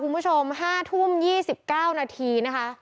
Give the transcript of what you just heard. คุณผู้ชม๕ทุ่ม๒๙นาทีนะคะ